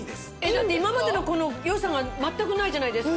だって今までの良さが全くないじゃないですか。